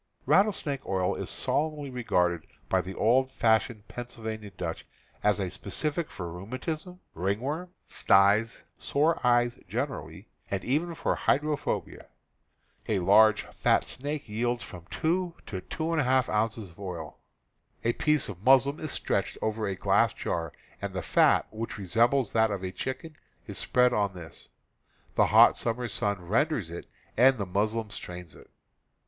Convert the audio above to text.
Rattlesnake oil is solemnly regarded by the old ^., fashioned Pennsylvania Dutch as a spe i\,atti6snaK6 'n p i ••• x* ^.. cifac tor rheumatism, rmgworm, sties, sore eyes generally, and even for hydro phobia. A large, fat snake yields from two to two TANNING PELTS 297 and a half ounces of oil. A piece of muslin is stretched over a glass jar, and the fat, which resembles that of a chicken, is spread on this. The hot summer sun ren ders it, and the muslin strains it.